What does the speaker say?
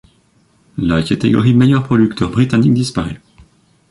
La catégorie meilleur producteur britannique disparaît.